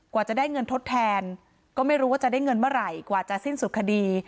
กว่าจะได้เงินทดแทนก็ไม่รู้ว่าจะได้เงินเมื่อไหร่กว่าจะสิ้นสุดคดี